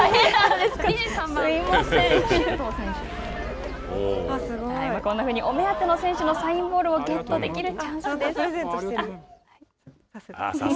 ２３番、こんなふうにお目当ての選手のサインボールをゲットできるプレゼントしてる。